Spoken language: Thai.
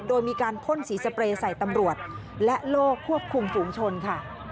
โดยมีการพ่นสีสเปรย์ใส่ตำรวจและโลกควบคุมฝูงชนค่ะ